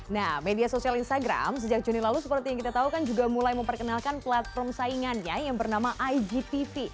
nah media sosial instagram sejak juni lalu seperti yang kita tahu kan juga mulai memperkenalkan platform saingannya yang bernama igtv